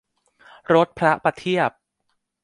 รถพระประเทียบ